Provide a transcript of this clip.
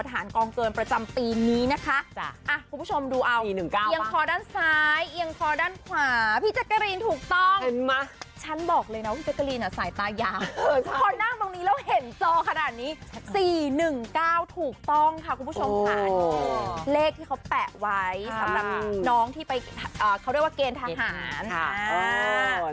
เห็นจอขนาดนี้๔๑๙ถูกต้องค่ะคุณผู้ชมอ่านเลขที่เขาแปะไว้สำหรับน้องที่ไปเขาเรียกว่าเกณฑ์ทหาร